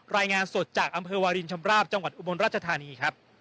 รายงานสดจากวารินชำราบจอุโมนรัชธานี